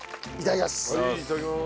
いただきます！